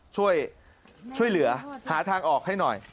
ช่วยเหลือหาทางออกให้หน่อย